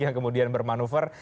yang kemudian bermanuver